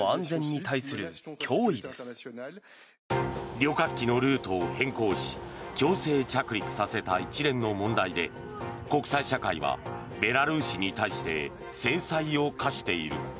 旅客機のルートを変更し強制着陸させた一連の問題で国際社会はベラルーシに対して制裁を科している。